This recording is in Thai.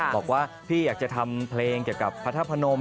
บอกว่าพี่อยากจะทำเพลงเกี่ยวกับพระธาตุพนม